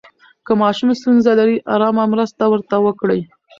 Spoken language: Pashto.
که ماشوم ستونزه لري، آرامه مرسته ورته وکړئ.